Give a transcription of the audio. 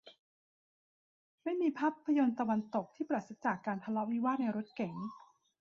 ไม่มีภาพยนตร์ตะวันตกที่ปราศจากการทะเลาะวิวาทในรถเก๋ง